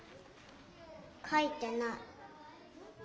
書いてない。